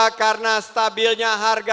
bahagia karena stabilnya harga yang terjangkau